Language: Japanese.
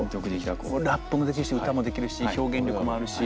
ラップもできるし歌もできるし表現力もあるし。